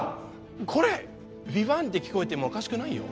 これヴィヴァンって聞こえてもおかしくないよ